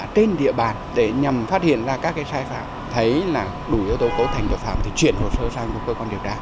các công ty thẩm định giá trên địa bàn để nhằm phát hiện ra các sai phạm thấy là đủ yếu tố cố thành cho phạm thì chuyển hồ sơ sang cơ quan điều tra